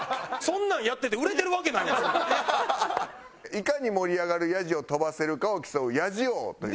いかに盛り上がるヤジを飛ばせるかを競う「ヤジ王」という。